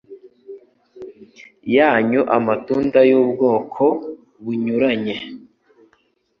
yanyu amatunda y’ubwoko bunyuranye,